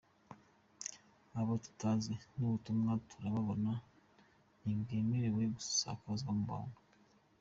Abo tutazi n’ubutumwa tutarabona ntibwemerewe gusakazwa mu bantu.